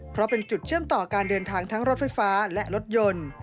เพราะเป็นจุดเชื่อมต่อการเดินทางทั้งรถไฟฟ้าและรถยนต์